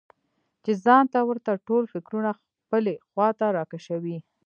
چې ځان ته ورته ټول فکرونه خپلې خواته راکشوي.